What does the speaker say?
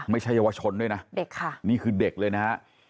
ไม่ใช่เยาวชนด้วยนะเด็กค่ะนี่คือเด็กเลยนะฮะ